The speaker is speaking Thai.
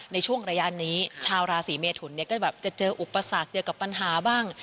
ในช่วงระยะนี้ชาวราศีเมทุนเนี่ยก็แบบจะเจออุปสรรคเกี่ยวกับปัญหาบ้าง